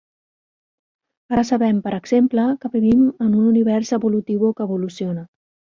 Ara sabem, per exemple, que vivim en un univers evolutiu o que evoluciona.